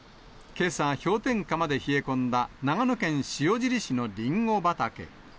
けさ、氷点下まで冷え込んだ長野県塩尻市のリンゴ畑。